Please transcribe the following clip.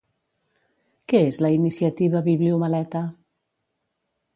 Què és la iniciativa Bibliomaleta?